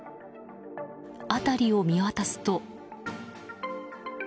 辺りを見渡すと。